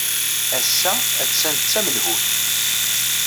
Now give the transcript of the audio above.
Ass-a, attan d tamelhut.